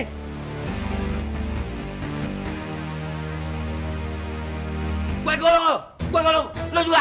gue gulung lu juga